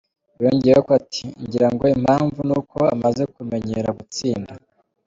Yongeyeko ati "Ngira ngo impamvu ni uko amaze kumenyera gutsinda.